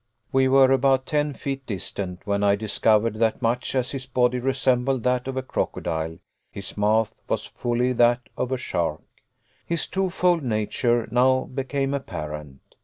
We were about ten feet distant when I discovered that much as his body resembled that of a crocodile, his mouth was wholly that of a shark. His twofold nature now became apparent.